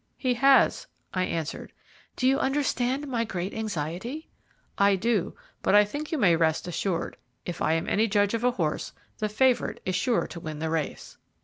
"He has," I answered. "Do you understand my great anxiety?" "I do, but I think you may rest assured. If I am any judge of a horse, the favourite is sure to win the race."